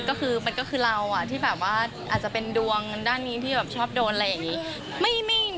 ก็คือมันก็คือเราที่แบบว่าอาจจะเป็นดวงด้านนี้ที่แบบชอบโดนอะไรอย่างนี้